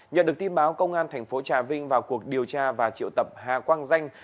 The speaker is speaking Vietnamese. nhận được tin báo công an thành phố trà vinh vào cuộc điều tra và triệu tập hà quang danh